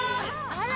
あら！